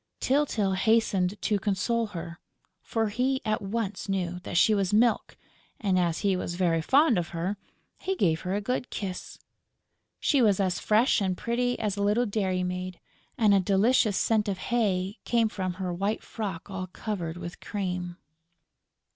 Tyltyl hastened to console her, for he at once knew that she was Milk; and, as he was very fond of her, he gave her a good kiss. She was as fresh and pretty as a little dairy maid; and a delicious scent of hay came from her white frock all covered with cream.